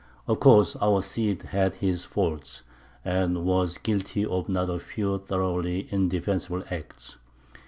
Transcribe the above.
Of course our Cid had his faults, and was guilty of not a few thoroughly indefensible acts.